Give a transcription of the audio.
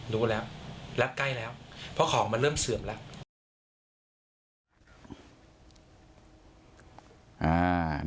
รู้แล้วแล้วใกล้แล้วเพราะของมันเริ่มเสื่อมแล้ว